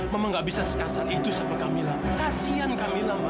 mama nggak bisa sekasar itu sama kamila kasian kamila ma